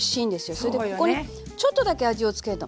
それでここにちょっとだけ味を付けると。